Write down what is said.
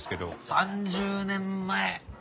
３０年前。